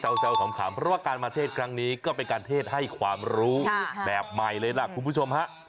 ขำเพราะว่าการมาเทศครั้งนี้ก็เป็นการเทศให้ความรู้แบบใหม่เลยล่ะคุณผู้ชมฮะ